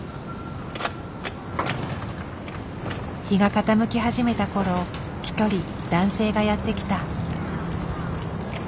日が傾き始めた頃一人男性がやって来た。